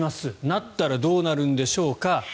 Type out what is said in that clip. なったらどうなるでしょうか。